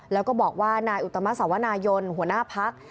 แล้วก็บอกว่านายอุตมะสวนายนหัวหน้าพัก